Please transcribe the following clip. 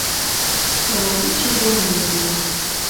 Лай кид шӱргемым ниялта.